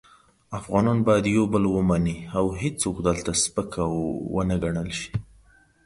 افغانان باید یو بل ومني او هیڅوک دلته سپک و نه ګڼل شي.